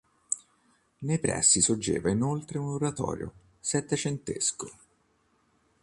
Nei pressi sorgeva inoltre un oratorio settecentesco.